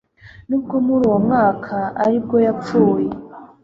Nubwo muruwo mwaka ari bwo yapfuye